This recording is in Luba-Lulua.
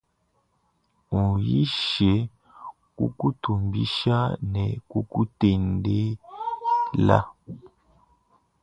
Unyishe kukutumbisha ne kukutendela.